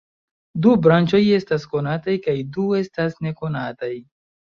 Du branĉoj estas konataj kaj du estas nekonataj.